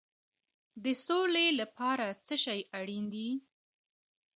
د سولې لپاره څه شی اړین دی؟